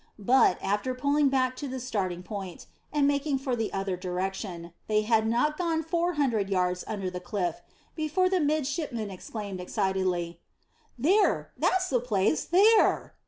But, after pulling back to the starting point, and making for the other direction, they had not gone four hundred yards under the cliff before the midshipman exclaimed excitedly, "There; that's the place: there!"